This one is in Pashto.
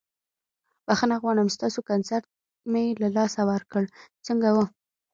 بخښنه غواړم ستاسو کنسرت مې له لاسه ورکړ، څنګه وه؟